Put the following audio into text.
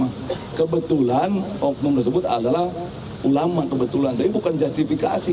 nah kebetulan oknum tersebut adalah ulama kebetulan tapi bukan justifikasi